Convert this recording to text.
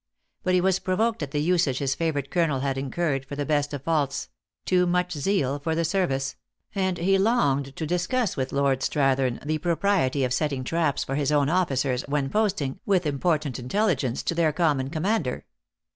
But he was provoked at the usage his favorite colonel had incurred, for the best of faults too much zeal for the service ; and he longed to discuss with Lord Strathern the propriety of setting traps for his own officers, when posting, with important intelligence, to their common com mander.